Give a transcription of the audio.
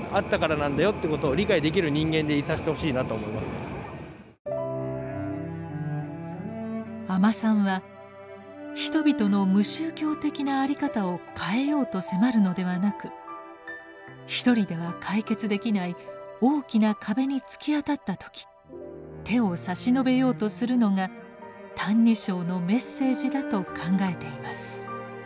やっぱり阿満さんは人々の無宗教的なあり方を変えようと迫るのではなく一人では解決できない大きな壁に突き当たった時手を差し伸べようとするのが「歎異抄」のメッセージだと考えています。